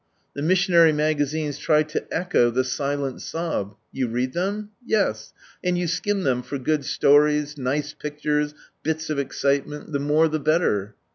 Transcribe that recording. The missionary magazines try to echo the silent sob. You read them ? Yes ; and you skim them for good stories, nice pictures, bits of escilement — the more the better.